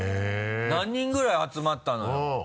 何人ぐらい集まったのよ？